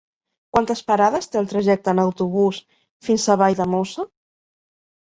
Quantes parades té el trajecte en autobús fins a Valldemossa?